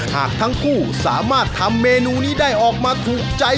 หากทั้งคู่สามารถทำเมนูนี้ได้ออกมาถูกใจ